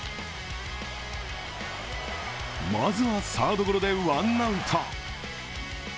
まずは、サードゴロで１アウト。